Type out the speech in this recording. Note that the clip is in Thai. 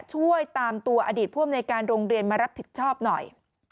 ช่วยตามตัวอดีตผู้อำนวยการโรงเรียนมารับผิดชอบหน่อย